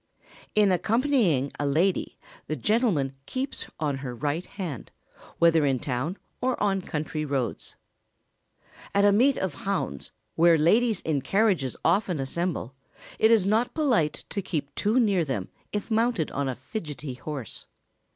In accompanying a lady the gentleman keeps on her right hand, whether in town or on country roads. [Sidenote: At a meet of hounds.] At a meet of hounds, where ladies in carriages often assemble, it is not polite to keep too near them if mounted on a fidgety horse.